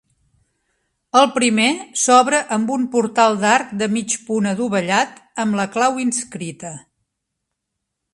El primer s'obre amb un portal d'arc de mig punt adovellat amb la clau inscrita.